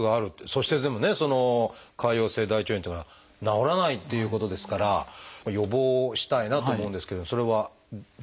そしてでもね潰瘍性大腸炎っていうのは治らないっていうことですから予防したいなと思うんですけれどもそれはできるものなんでしょうか？